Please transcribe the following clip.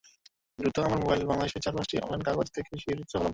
দ্রুত আমার মোবাইলে বাংলাদেশের চার-পাঁচটি অনলাইন কাগজ দেখে আরও শিহরিত হলাম।